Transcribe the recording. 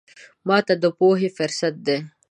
ماته د پوهې فرصت دی.